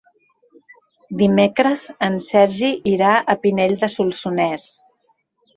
Dimecres en Sergi irà a Pinell de Solsonès.